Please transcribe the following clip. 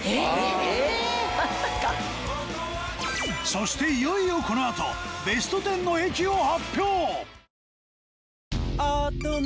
そしていよいよこのあとベスト１０の駅を発表！